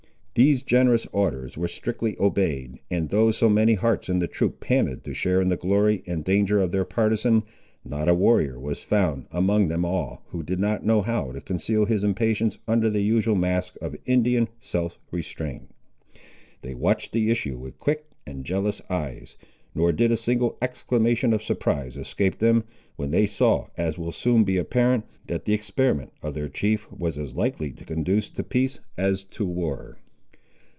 These generous orders were strictly obeyed; and though so many hearts in the troop panted to share in the glory and danger of their partisan, not a warrior was found, among them all, who did not know how to conceal his impatience under the usual mask of Indian self restraint. They watched the issue with quick and jealous eyes, nor did a single exclamation of surprise escape them, when they saw, as will soon be apparent, that the experiment of their chief was as likely to conduce to peace as to war.